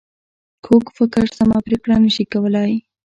کوږ فکر سمه پرېکړه نه شي کولای